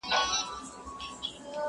چي دا پاته ولي داسي له اغیار یو؟!.